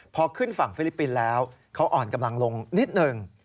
พอขึ้นฝั่งฟิลิปปินส์แล้วเขาอ่อนกำลังลงนิดหนึ่ง